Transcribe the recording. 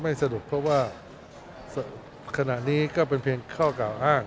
สรุปเพราะว่าขณะนี้ก็เป็นเพียงข้อกล่าวอ้าง